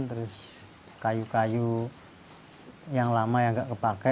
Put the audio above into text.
terus kayu kayu yang lama yang nggak kepake